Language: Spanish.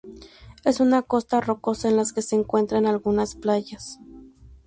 Es una costa rocosa en las que se encuentran algunas playas.